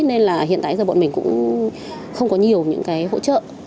nên là hiện tại giờ bọn mình cũng không có nhiều những cái hỗ trợ